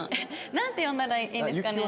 なんて呼んだらいいですかね？